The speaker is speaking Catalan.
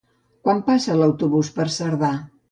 Quan passa l'autobús per Cerdà?